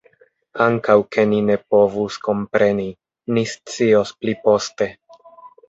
Ankaŭ ke ni ne povus kompreni; ni scios pli poste.